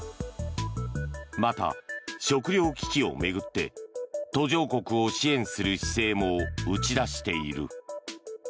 また、食料危機を巡って途上国を支援する姿勢も打ち出している。